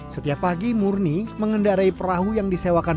setiap pagi murni mengendarai perahu yang disewakan